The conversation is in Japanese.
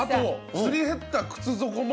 磨り減った靴底も。